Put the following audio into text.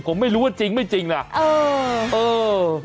ผมไม่รู้เว้าจริงเหรอ